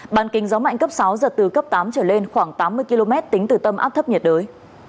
bàn kinh gió mạnh cấp sáu giật từ cấp tám trở lên khoảng tám mươi km tính từ tâm áp thấp nhiệt đới